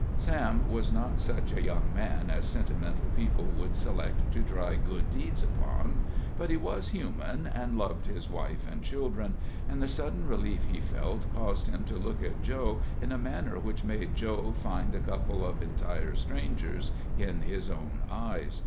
Sam was not such a young man as sentimental people would select to try good deeds upon. But he was human, and loved his wife and children, and the sudden relief he felt caused him to look at Joe in a manner which made Joe find a couple of entire strangers in his own eyes.